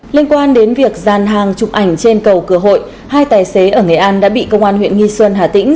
liên quan đến việc gian hàng chụp ảnh trên cầu cửa hội hai tài xế ở nghệ an đã bị công an huyện nghi xuân hà tĩnh